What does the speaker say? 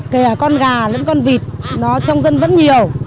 còn con gà và con vịt trong dân vẫn nhiều